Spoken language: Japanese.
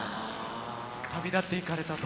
旅立っていかれたと。